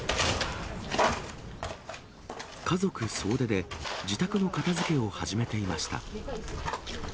家族総出で、自宅の片づけを始めていました。